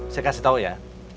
saya kasih tahu ya